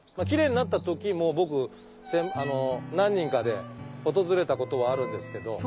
キレイになった時も僕何人かで訪れたことはあるんですけど。